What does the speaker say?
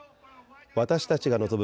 私たちが望む